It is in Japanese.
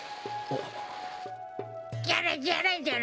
ジャラジャラジャラ！